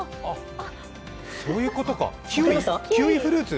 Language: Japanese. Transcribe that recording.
そういうことか、キウイフルーツ？